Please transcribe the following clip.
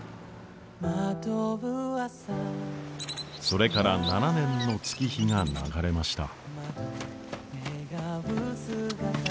それから７年の月日が流れました。